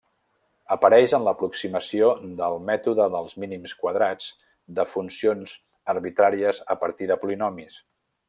Apareix en l'aproximació del mètode dels mínims quadrats de funcions arbitràries a partir de polinomis.